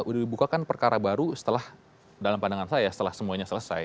udah dibuka kan perkara baru setelah dalam pandangan saya setelah semuanya selesai